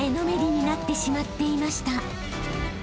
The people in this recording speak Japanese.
［になってしまっていました］